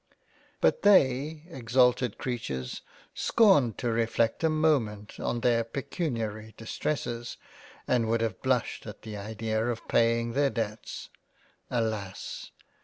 But they, Exalted Creatures ! scorned to reflect a moment on their pecuniary Distresses and would have blushed at the idea of paying their Debts. — Alas